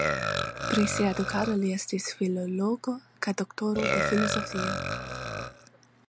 Pri sia edukado li estas filologo kaj doktoro de filozofio.